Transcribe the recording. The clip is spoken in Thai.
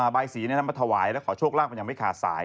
ใบสีนั้นมาถวายแล้วขอโชคล่างมันยังไม่ขาดสาย